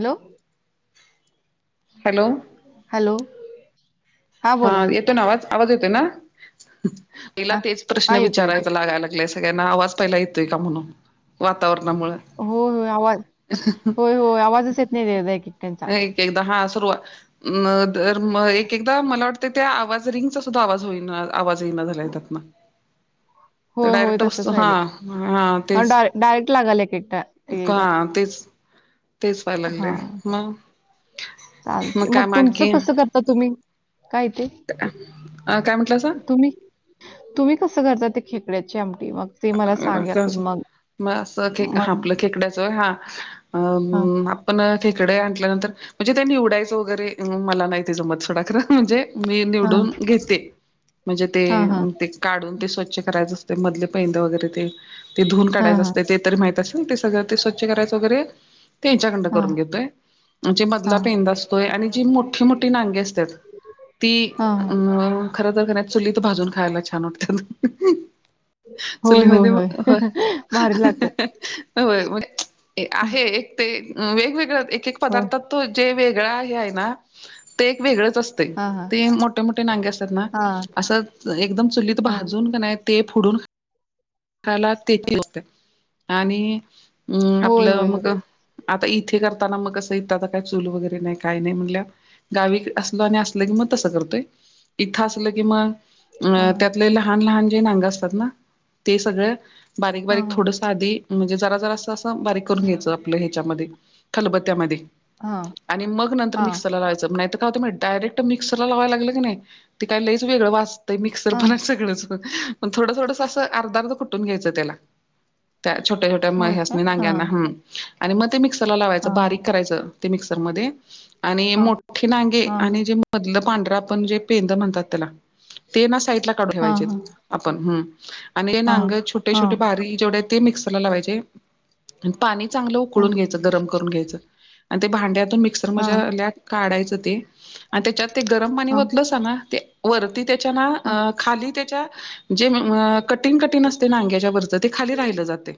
Hello. Hello. Hello. हां हा बोला येतो ना आवाज आवाज येतो ना पहिला हां तेच प्रश्न हां येतो येते विचारायचा लागाय लागलेस. सगळ्यांना आवाज पहिला येतोय का म्हणून वातावरणामुळे. हो होय आवाज होय होय आवाजच येत नाही दे. [unintelligible] एक-एकदा हा सुरू आ म दर म एक-एकदा मला वाटतं त्या आवाज रिंगचा सुद्धा आवाज होई नाआवाज येईना झाला येतात ना. [inaudible] तर होय होय डायरेक्ट तसंच वसतो हा व्हायले हा तेच डाय डायरेक्ट लागायला एक एकटा एक का एकदा तेच तेच व्हाय लागलेय. हां चालते मग काय तुमचं आणखी कसं करता तुम्ही काय ते [unintelligible] अ काय म्हटलंसा? तुम्ही तुम्ही कसं करता ते खेकड्याची आमटी मग? ते मला म सांगा रस्सा की असो मग म असं खेक मग आपलं खेकडाचा हा. अ बू हां म माप पण खेकडे आणल्यानंतर म्हणजे त्यां निवडायचं वगैरे मला नाही ते जमत सोडा खरं म्हणजे मी हां निवडून घेते म्हणजे ते हां हां ते काढून ते स्वच्छ करायच असते मधले पेंदा वगैरे ते धुवून हां काढायं हां असते ते तरी माहित असेल ते सगळं ते स्वच्छ करायचं वगैरे ते हेच्याकंडं हां करून घेतोय म्हण जे मधला हां पेंंदा असतोय आणि जी मोठी-मोठी नांगे असत्यात ती हां अं म खरं तर काय चुल्हित भाजून खायला छान वाटतं. होय चुल्ही होय मध्ये हो होय. भारी लागतात [unintelligible] ते आहे एक ते अ वेगवेगळ एक-एक होय पदार्थात तो जे वेगळा हे आहे ना ते एक वेगळंच अस ते, हां हां ते मोठे-मोठे नांगे असतात ना, हां असं एकदम चुलीत हां भाजून का नाही ते फडून खला, तेची [inaudible] आणि अम होय आपलं, होय मग होय अ आता इथे करताना मग कसं, इथं आता काय चूल वगैरे नाही, काय नाही म्हंटल्या गावी असलो आणि असलं की, मग तसं करतोय, इथं असलं की मग हां अ हां त्यातले लहान-लहान जे नांग असतात ना ते सगळं हां बारीक-बारीक, हां थोडसं आधी म्हणजे जरा-जरा असं असं बारीक करून घ्यायचं, आपलं हे च्यामध्ये, खलबत्त्यामध्ये हां, आणि मग नंतर हां, मिक्सरला लावायचं, मग नाहीतर काय होतं मे डायरेक्ट मिक्सरला लावाय लागलं की नाही, ते काही लईच वेगळं वाजतंय, मिक्सर हां. पण सगळचं. मग थोडं-थोडंस असं आर्ध-आर्ध कुटून घ्यायचं त्याला. त्या छोट्या-छोट्या म होय का? ह्यासनी नांग्यांना, हां, हं, आणि मग ते मिक्सरला लावायचं, हां, बारीक करायचं. ते मिक्सरमध्ये आणि हां, मोठी नांगी हां, आणि जे मधलं पांढरं आपण जे पेंद म्हणतात त्याला, ते ना साईटला काढून हां, ठेवायचेत. आपण हं, आणि ते हां, नांग छोटे-छोटे हां, बारीक, बारीक जेवढे ते मिक्सरला लावायचे. पाणी चांगलं उकळून हां, घ्यायचं, गरम करून घ्यायचं आणि ते भांड्यातून मिक्सर हां, म्हझ्याल्या काढायचं ते आणि त्याच्यात ते गरम पाणी हां, वतलंस ना ते वरती त्याच्या ना, हां, अ खाली त्याच्या जे उम अ कटिंग कटिण असते नांग्याच्यावरचं, ते खाली राहिलं जाते.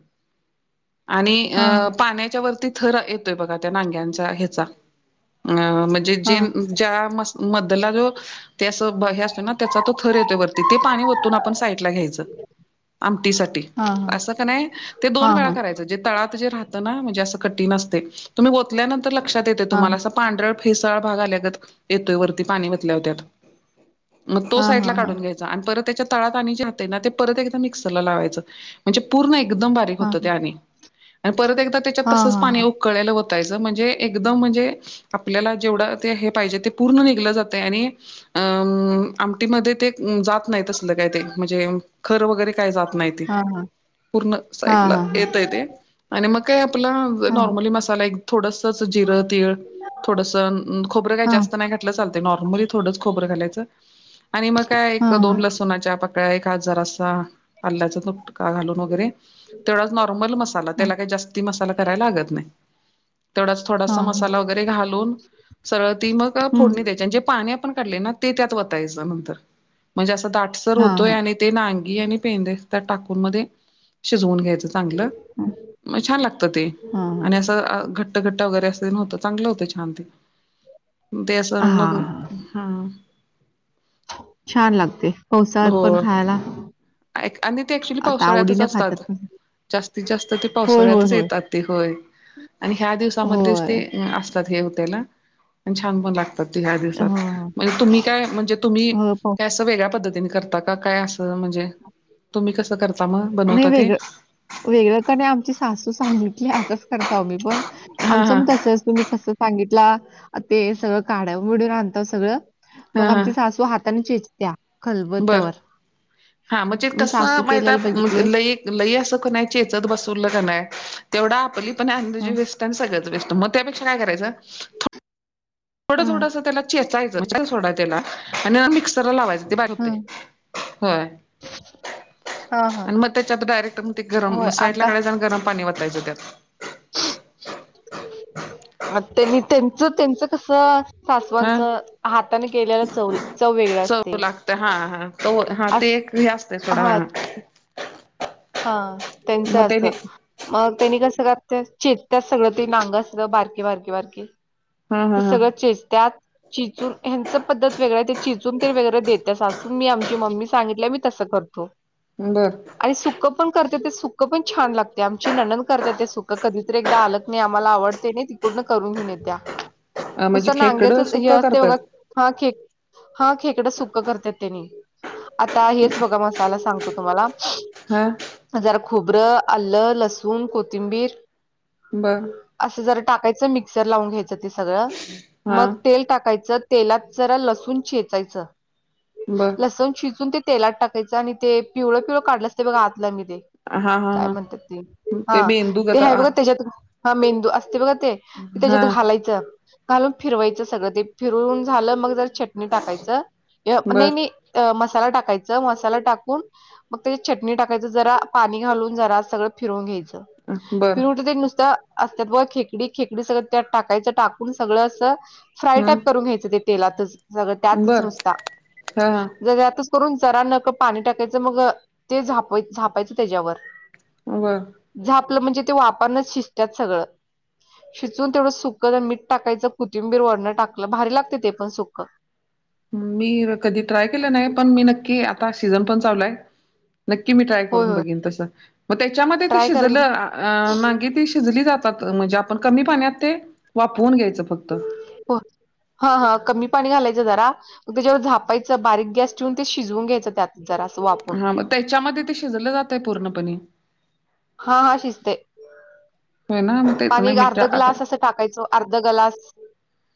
आणि अ पाण्याच्या वरती थर येतोय बघा त्या नांग्यांचा ह्याचा, अ म्हणजे जे हां, च्या मस मधला जो ते असं, ब हे असतोय ना त्याचा तो थर येतोय वरती, ते पाणी वतून आपण साईटला घ्यायचं. आमटीसाठी हां, असं का नाही, ते दोन हां, वेळा हां, करायचं, जे तळात जे राहतं ना, म्हणजे असं कटिण असतंय, तुम्ही ओतल्यानंतर लक्षात येतंय हां, तुम्हाला, असं पांढरळ फेसाळ भाग आल्यागत येतोय वरती, पाणी वतल्याव त्यात. मग तो साईटला हां, हां, काढून घ्यायचा आणि परत त्याच्या तळात, आणि जे राहातंय ना, ते परत एकदा मिक्सरला लावायचं. म्हणजे पूर्ण एकदम बारीक हां, होतं ते, आणि आणि परत एकदा त्याच्यात हां, हां, तसंच हां, पाणी उक कळेलं ओतायचं म्हणजे एकदम म्हणजे आपल्याला जेवढं ते हे पाहिजे, ते पूर्ण निघलं जातंय आणि अ... म आमटीमध्ये ते जात नाही, तसलं काय ते म्हणजे खर वगैरे काय जात नाही, ते हां, हां, पूर्ण साईटला हां, येतंय ते. आणि मग काय आपलं हां, हां, हां, हां, नॉर्मली मसाला, एक थोडंसं असं जिरं, तीळ, थोडंसं खोबरं, काही हां, जास्त नाही घा कुठलं चालतंय, नॉर्मली थोडच खोबरं घालायचं आणि मग काय, हां, हां, एक-दोन लसू सुनाच्या पाकळ्या, एखाद जरासा आल्ल्याचा तुट का घालून वगैरे, तेवढाच नॉर्मल मसाला, त्याला काही जास्ती मसाला कराय लागत नाही. तेवढाच थोडासा हां, हां, मसाला वगैरे घालून सरळ ती मग हं, फोडणी द्यायची, आणि जे पाणी आपण काढलंय ना ते त्यात वतायचं नंतर, म्हणजे असं दाटसर हां, होतोय हां, आणि ते नांग ई आणि पेंदे त्यात टाकूनमध्ये शिजवून घ्यायचं. चांगलं, मग छान लागत ते, हां, आणि हां. असं अ घट घट्ट घट्ट वगैरे अस तेन होतं, चांगलं होत छान ते, ते असं हां, मधून हां. हम्म. छान लागते, पावसाळात पण खायला. आ, एक आणि ते ऍक्च्युली आता पावसाळ्यातच आवडीनं खातात. असतात, जास्तीत जास्त ते होय, होय, पावसाळ्यातच होय. येतात. ते होय आणि ह्या दिवसामध्येच होय. ते असतात, हे हो त्याला आणि छान पण लागतात. तर ह्या हां, दिवसात हां. म्हणजे तुम्ही काय म्हणजे तुम्ही हो, पाव काय, अस वेगळ्या पद्धतीने करता का काय अस म्हणजे तुम्ही कसं करता मग बनवता ते? वेगळ काय नाही, आमची सासू सांगितली असंच करतावं आम्ही पण. हा आमचं हा पण तसंच तुम्ही कसं सांगितला, ते सगळं काढा मिडून आणता सगळं मग हा हा आमची सासू हातान चेचत्या. बर खलबत्त्यावर. हा म्हणजे मी तस सासू म्हण केलेलं त्यात बघितलोय. लय लय अस की नाय चेचत बसल की, नाही तेवढी आपली पण एनर्जी हं, वेस्ट त्यांन सगळंच वेस्ट, मग त्यापेक्षा काय करायचं. थोडं हं, थोडस त्याला चेचायच म्हणजे सोडा त्याला आणि मिक्स मिक्सर ला लावायचं ते, बारीक हं. होतंय होय. हां, हां. आणि मग त्याच्यात डायरेक्ट मग ते, गरम होय साईड ला आता काढायचं आणि गरम पाणी वतायचं त्यात अ त्यांनी त्यांचं त्यांचं कसं? हा सासवांच हाताने केलेला चव चव वेगळ चव असते. लागतं हा हा तो हा असं ते एक हे असतय सोडा. हा. हा मग त्यांच्या त्याने असं मग त्यानी कसं करत्यात, चेेचत्यात सगळं ते नांगं अस सगळं बारकी बारकी बारकीे हा ते हा हा सगळं चेचत्यात चेचून ह्यांचं पद्धत वेगळं हाय, ते चेचून ते वेगरे देते सासू, मी आमची मम्मी सांगितल्या मी तसं करतो. तो. बरं. आई सुख सुख पण करते ते सुखं पण छान लागते. आमची नणंद करत्यात ते सुख कधीतरी, एकदा आलकणी आम्हाला आवडते नाही. पूर्ण करून घेऊन येतिया. [inaudible] नुसत नांग्याच खेकडं हे सुक्क असतय बघा, करतात हा खे हा खेकडं सुक करतात त्यांनी. आता हेच बघा मसाला सांगतो तुम्हाला हा हा जरा खोबरं, आलं, लसूण, कोथिंबीर बर. ती हे असं जरा टाकायचं, मिक्सर लावून घ्यायचं ते, सगळं हा मग तेल टाकायचं तेलात जरा लसूण चेचायचं, बर लसूण चिचुन ते तेलात टाकायचं आणि ते पिवळं पिवळ काढलं ते बघा आतलं मी ते, हा हा काय हा म्हणतात ते ते हा मेंदू ते गत हाय बघा तेज्यात हा मेंदू असतय बघा ते, हा तेच्यात घालायचं. घालून फिरवायचं सगळं ते, फिरून झालं मग जर चटणी टाकायचं, बर नाही नाही मसाला टाकायच, मसाला टाकून मग ते चटणी टाकायचं जरा, पाणी घालून जरा सगळं फिरून घ्यायचं. बर फिरवून ते नुसतं असत्यात बगा खेकडी, खेकडी सगळं त्यात टाकायचं. टाकून सगळं असं फ्राय हम्म टाईप करून घ्यायचं ते. तेलातच सगळ, त्यातच बर नुसता हा जर यातच करून जरा नकळत पाणी टाकायचं, मग ते झापायचं तेज्यावर. बर. झापलं म्हणजे ते वाफनच शिजत्यात सगळं. शिजवून तेवढं सुक, मीठ टाकायचं, कोथिंबीर वरणं टाकलं भारी लागतय ते पण सुकं. मी कधी ट्राय केलं नाही, पण मी नक्की आता सीझन पण चालू हाय. नक्की मी ट्राय होय करून होय बघेन तस, मग त्याच्यामध्ये ते ट्राय करा शिजलं की अ नांगी ती शिजली जातात म्हणजे आपण कमी पाण्यात ते वाफवून घ्यायचं फक्त होय, हा. हा.. कमी पाणी घालायचं जरा. मग त्याच्यावर झापायचं, बारीक गॅस ठेवून ते शिजवून घ्यायचं त्यात जरा असं वाफ हां मग त्याच्यामध्ये ते शिजलं जातयं पूर्णपणे हा, हा. शिजतयं. होय ना मग तेच ना पाणी मी अर्ध ट्राय आता ग्लास असं टाकायचं, अर्ध ग्लास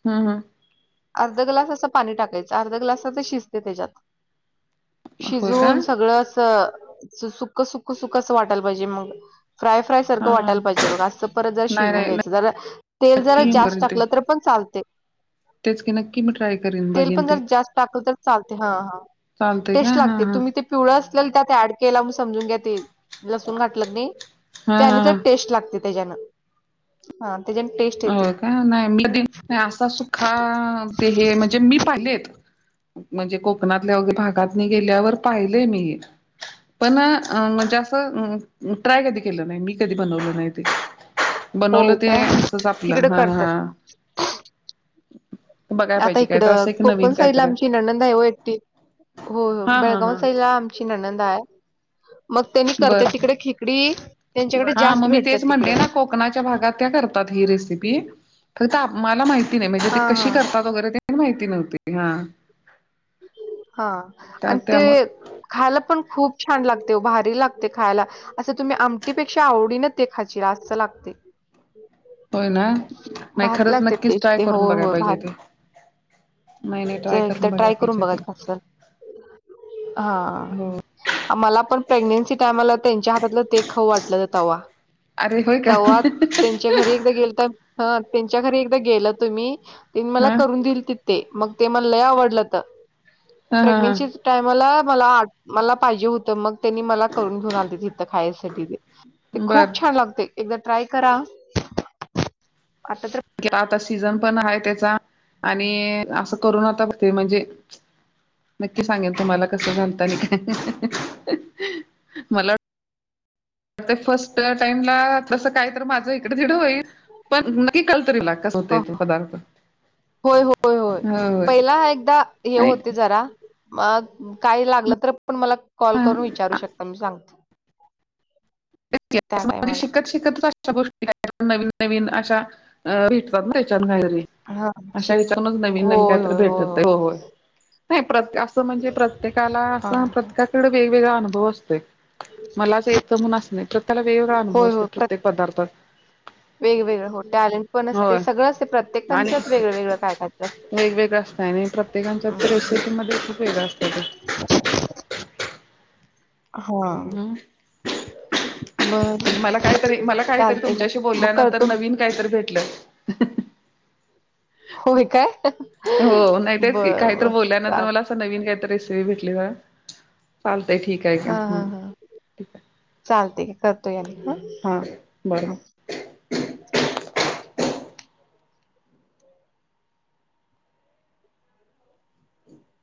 हं हं. अर्ध ग्लास असं पाणी टाकायचं, अर्ध ग्लासतच शिजतयं तेज्यात. होय का? शिजून सगळं असं असं सुख- सुख-सुख असं वाटायला पाहिजे मग फ्राय- फ्राय हा सारखं हा. वाटायला पाहिजे बघा, असं परत जरा नाही शिजून नाही घ्यायचं, जर तेल जरा नक्की जास्त करीन ते. टाकलं तर पण चालतयं. तेच की नक्की, म्हटंल. तेल पण जरा जास्त टाकलं तर चालतयं हं.. हं... चालतंय का? टेस्ट हा लागतंय, हा. तुम्हीं ते पिवळं असलेलं त्यात ऍड केला म्हणून समजून घ्या ते लसून घा टलं क नई हा त्यांनी हा तर हा. टेस्ट लागते त्यजा हेनं. होय का नाही म कधी असा सुखा ते हे म्हणजे मी पाहिलेत.. म्हणजे कोकणातल्या वगैरे भागातनी गेल्यावर पाहिलंय मी हे. पण म्हणजे असं ट्राय कधी केलं नाही, मी कधी बनवलं नाही ते. हो बनवलं ते काय असंच आपलं तिकडं हं.. करतात हा. बघाय आता पाहिजे काहीत इकडं असं एक नवीन कोकण साईड ला काहीतरी आमची नणंद आहे वो एकटी. होय होय हा हा बेळगाव हा साईडला ची नणंद हाय मग त्यांनी बर करत्यात तिकडं खेकडी त्यांच्याकडे हा जास्त मग मी भेटत्यात तेच म्हणले तिकडं. ना कोकणाच्या भागात त्या करतात ही रेसिपी, फक्त मला माहिती नाही म्हणजे ती हा कशी हा करतात वगैरे, पण माहिती नव्हती. हा. हा त्या आणि ते त्यामुळे खायला पण खूप छान लागतंय वो, भारी लागतंय खायाला. असं तुम्हीं आमटीपेक्षा आवडीनं ते खाचीला असं लागतंय.. होय ना. नाही भारी खरंच लागत्यात ते, नक्कीच ट्राय ते करून होय- बघाय होय पाहिजे भारी. ते नाही नाही ट्राय तर एकदा करून बघाय ट्राय करून पाहिजे बघा ते की, असं. हा हो मला पण प्रेग्नेन्सी टायमाला त्यांच्या हातातलं ते खाऊ वाटलंतं तवा. अरे होय का तवा त्यांच्या घरी एकदा गेल तर, हा त्यांच्या घरी एकदा गेलंतो मी, तेनी मला हा करून दिलतीत. ते मग ते मला लई आवडलंत हा हा हा प्रेग्नेन्सी टायमाला मला आ मला पाहिजे होतं मग. तेनी मला करून घेऊन आलतीत हिथं खायासाठी ते, ते बर खूप छान लागतयं एकदा ट्राय करा. आतातर घ्या आता सीझन पण आहे त्याचा आणि असं करून आता ते म्हणजे, नक्की सांगेन तुम्हांला कसं झालतं आणि काय, मला. वाटतंय फर्स्ट टाइम ला तसं काय तर माझं इकड-तिकडं होईल. पण नक्की कळंल तरि ना कसं होतोय तो पदार्थ. होय, होय, होय, पहिला एकदा हे आणि होतंय जरा. मग काही लागलं तर पण मला कॉल करून विचारू शकता मी सांगते. तेच की त्या असं म्हणजे टायमाला शिकत- शिकत अश्या गोष्टी काही पण नवीन नवीन अशा अ भेटतात ना त्याच्यान काहीतरी हा अशा शिक विचारूनच नवीन नवीन होय काहीतरी होय होय भेटतय, हो होय. नाही प्रत्ये असं म्हणजे प्रत्येकाला हा असं हा. प्रत्येकाकडे वेगवेगळा अनुभव असतोय. मलाच येतं म्हणून अस नाही तर त्याला वेगवेगळा अनुभव होय असतो होय प्र प्रत्येक पदार्थात वेगवेगळं हो टॅलेंट पण असते होय सगळं असते प्रत्येकांच्यात वेगळंवेगळं काय काय तरं वेगवेगळ असतय आणि प्रत्येकांच्या तर हम्म रेसिपीमध्ये खूप वेगळा असतय ते. हो हा हम्म बर मला काहीतरी चालतय घ्या मग करतो मी. काही तर भेटल. होय काय हो नाही बर तेच की, काही तर बर बोलल्यानंतर चाल मला नवीन काय तर रेसिपी भेटली जरा, चालतय ठीक. आहे का हा हा हम्म हा, ठीक आहे चालतय घ्या करतो घ्या नंतर हा. बर.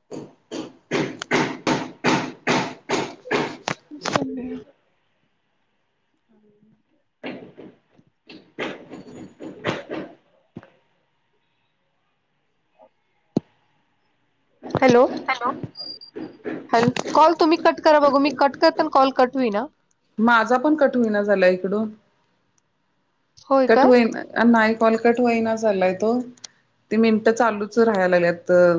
[unintelligible] [unintelligible] [inaudible] [unintelligible] हॅलो हॅल, कॉल तुम्ही कट करा बघू मी कट करताना कॉल कट होईना. माझा पण कट हुईना झालाय इकडून, होय कट काय हुईना झा नाही कॉल कट व्हईना झालाय तो, ती मिनटं चालूच राहायला लाल्यात